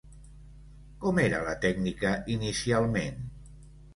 Com era la tècnica inicialment?